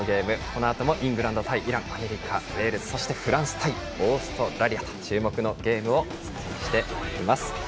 このあともイングランド対イランアメリカ対ウェールズフランス対オーストラリアなど注目のゲームをお伝えしてまいります。